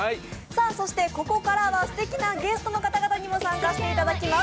そして、ここからは素敵なゲストの方々にも参加していただきます。